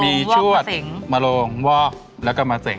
มีชวดมะโรงวอกแล้วก็มะเส็ง